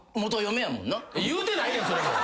言うてないねんそれも。